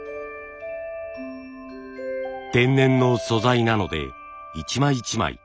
天然の素材なので一枚一枚